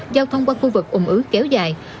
giao thông qua khu vực ủng ứ kéo dài